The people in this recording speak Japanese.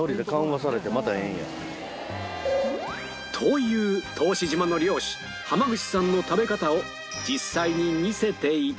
と言う答志島の漁師濱口さんの食べ方を実際に見せて頂くと